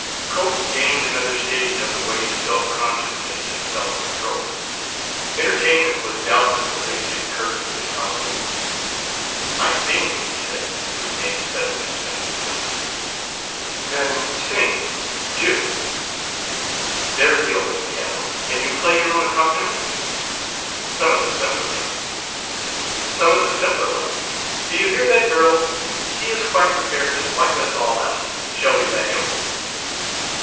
Cope gained another stage on the way to self consciousness and self control. Entertainment was doubtless the basic curse of this household. "I sing," he said, with naïf suddenness and simplicity. "Then, sing do. There's the open piano. Can you play your own accompaniments?" "Some of the simpler ones." "Some of the simpler ones! Do you hear that, girls? He is quite prepared to wipe us all out. Shall we let him?"